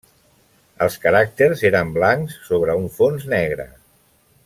Els caràcters eren blancs sobre un fons negre.